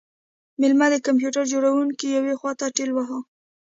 میلمه د کمپیوټر جوړونکی یوې خواته ټیل واهه